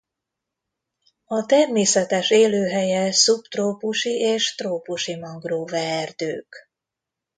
A természetes élőhelye szubtrópusi és trópusi mangroveerdők.